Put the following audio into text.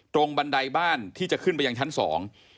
บันไดบ้านที่จะขึ้นไปยังชั้นสอง